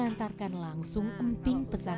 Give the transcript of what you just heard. hampir setengah eh dua bulan